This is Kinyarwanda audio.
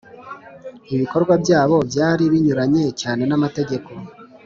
ibikorwa byabo byari binyuranye cyane n’amategeko